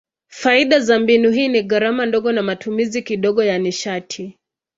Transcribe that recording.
Faida za mbinu hii ni gharama ndogo na matumizi kidogo ya nishati.